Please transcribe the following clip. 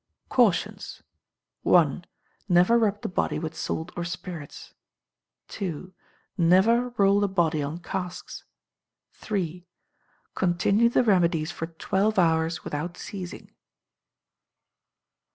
Cautions. i. Never rub the body with salt or spirits. ii. Never roll the body on casks, iii. Continue the remedies for twelve hours without ceasing.